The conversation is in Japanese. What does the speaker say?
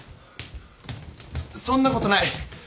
そんなことない。